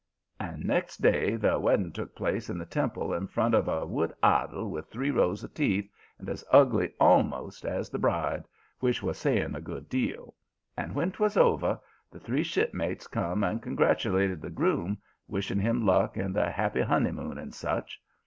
"And next day the wedding took place in the temple in front of a wood idol with three rows of teeth, and as ugly almost as the bride, which was saying a good deal. And when 'twas over, the three shipmates come and congratulated the groom, wishing him luck and a happy honeymoon and such.